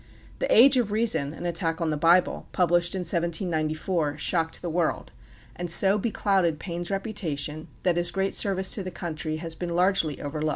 The "Age of Reason," an attack on the Bible, published in 1794, shocked the world, and so beclouded Paine's reputation that his great service to the country has been largely overlooked.